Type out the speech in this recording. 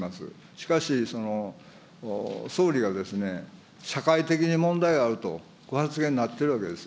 しかし、総理がですね、社会的に問題があるとご発言になっているわけです。